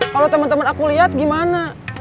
kalau temen temen aku lihat gimana